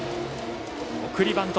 送りバント